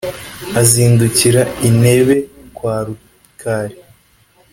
azindukira i Ntebe kwa Rukali